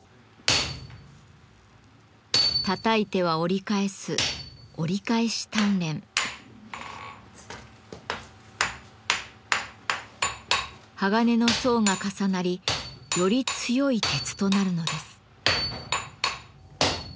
たたいては折り返す鋼の層が重なりより強い鉄となるのです。